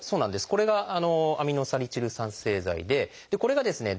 これが５−アミノサリチル酸製剤でこれがですね